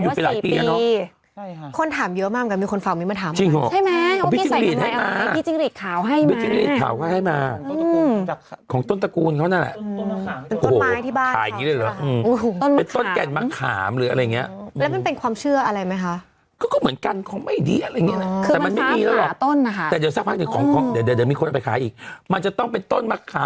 อู๋พี่เขาบอกว่า๔ปีแล้วเนอะพี่น้ำน้ำพี่น้ำน้ำพี่น้ำน้ำพี่น้ำน้ำพี่น้ำน้ำพี่น้ำน้ำพี่น้ำน้ำพี่น้ำน้ำพี่น้ำน้ำพี่น้ำน้ำพี่น้ำน้ำพี่น้ำน้ำพี่น้ำน้ำพี่น้ำน้ำพี่น้ำน้ำพี่น้ำน้ำพี่น้ำน้ำพี่น้ำน้ำ